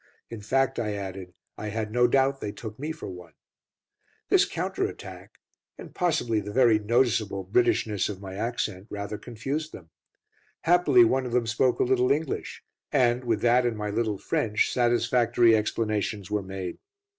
In fact, I added, I had no doubt they took me for one. This counter attack and possibly the very noticeable Britishness of my accent rather confused them. Happily one of them spoke a little English, and, with that and my little French, satisfactory explanations were made.